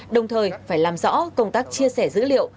đồng thời phải làm rõ công tác chia sẻ dữ liệu